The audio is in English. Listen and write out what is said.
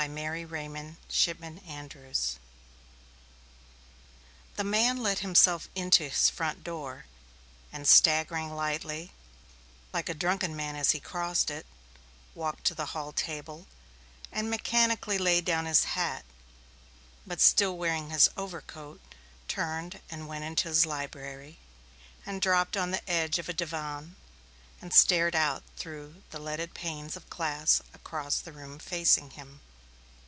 New York Charles Scribner's Sons 1910 The man let himself into his front door and, staggering lightly, like a drunken man, as he closed it, walked to the hall table, and mechanically laid down his hat, but still wearing his overcoat turned and went into his library, and dropped on the edge of a divan and stared out through the leaded panes of glass across the room facing him.